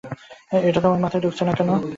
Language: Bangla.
এটা তোমার মাথায় ঢুকছে না কেন?